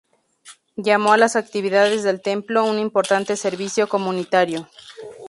Llamo a las actividades del templo "un importante servicio comunitario.